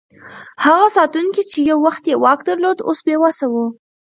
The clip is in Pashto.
هغه ساتونکی چې یو وخت یې واک درلود، اوس بې وسه و.